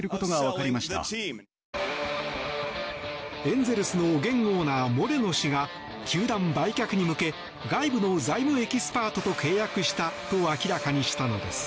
エンゼルスの現オーナーモレノ氏が球団売却に向け外部の財務エキスパートと契約したと明らかにしたのです。